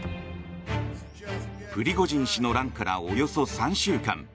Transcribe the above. プリゴジン氏の乱からおよそ３週間。